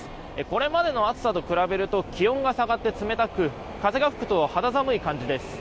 これまでの暑さと比べると気温が下がって冷たく風が吹くと肌寒い感じです。